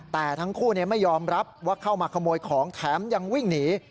แต่ทั้งคู่ไม่ยอมรับว่าเข้ามาขโมยของแถมยังวิ่งหนี